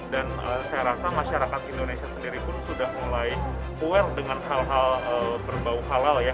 dan saya rasa masyarakat indonesia sendiri pun sudah mulai aware dengan hal hal berbau halal